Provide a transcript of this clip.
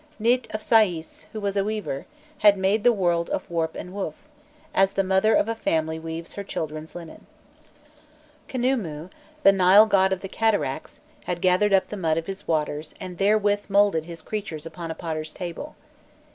Nît of Saïs, who was a weaver, had made the world of warp and woof, as the mother of a family weaves her children's linen. Khnûmû, the Nile God of the cataracts, had gathered up the mud of his waters and therewith moulded his creatures upon a potter's table.